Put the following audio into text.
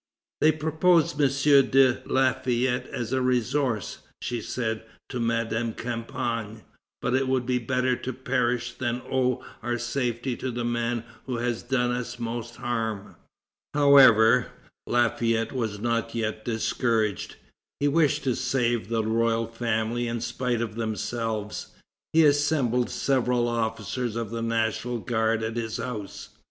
"They propose M. de Lafayette as a resource," she said to Madame Campan; "but it would be better to perish than owe our safety to the man who has done us most harm." However, Lafayette was not yet discouraged. He wished to save the royal family in spite of themselves. He assembled several officers of the National Guard at his house.